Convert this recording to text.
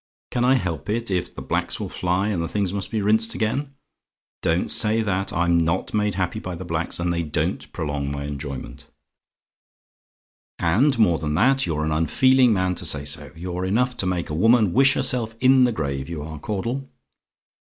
Can I help it, if the blacks will fly, and the things must be rinsed again? Don't say that; I'm NOT made happy by the blacks, and they DON'T prolong my enjoyment; and, more than that, you're an unfeeling man to say so. You're enough to make a woman wish herself in her grave you are, Caudle.